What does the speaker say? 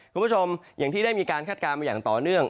คุณผู้ชมอย่างที่ได้มีการคาดการณ์มาอย่างต่อเนื่อง